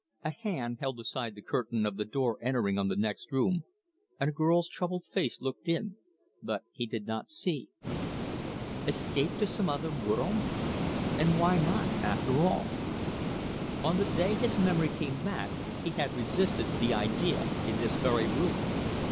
A hand held aside the curtain of the door entering on the next room, and a girl's troubled face looked in, but he did not see. Escape to some other world? And why not, after all? On the day his memory came back he had resisted the idea in this very room.